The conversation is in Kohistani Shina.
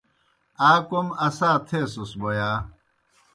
آ کوْم اسا تھیسَس بوْ یا؟